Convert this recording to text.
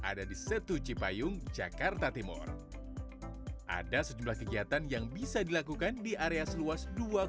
ada di setuci payung jakarta timur ada sejumlah kegiatan yang bisa dilakukan di area seluas dua lima